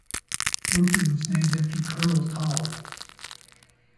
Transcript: Berkeley was named after Colonel Towle.